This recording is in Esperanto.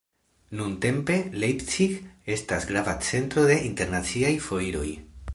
Nuntempe Leipzig estas grava centro de internaciaj foiroj.